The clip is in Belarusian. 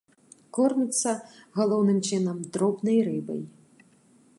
Корміцца, галоўным чынам, дробнай рыбай.